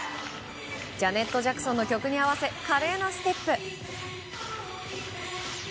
ジャネット・ジャクソンの曲に合わせ華麗なステップ。